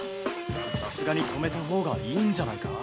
さすがに止めたほうがいいんじゃないか？